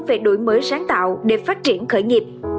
về đổi mới sáng tạo để phát triển khởi nghiệp